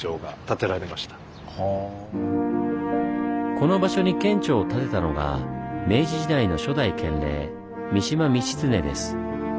この場所に県庁を建てたのが明治時代の初代県令三島通庸です。